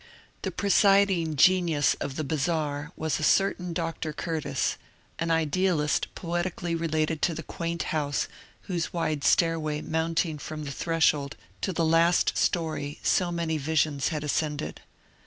The presiding genius of '^ The Bazaar " was a certain Dr. Curtis, — an idealist poetically related to the quaint house whose wide stairway mounting from the threshold to the last storey so many visions had ascended.